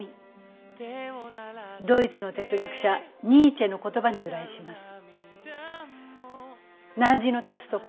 ドイツの哲学者ニーチェの言葉に由来します。